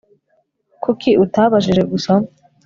Kuki utabajije gusa